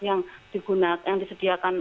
yang digunakan yang disediakan